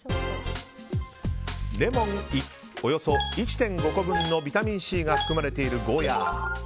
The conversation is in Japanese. レモンおよそ１．５個分のビタミンＣが含まれているゴーヤ